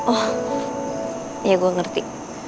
oh ya gue ngerti